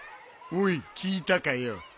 おい聞いたかよ。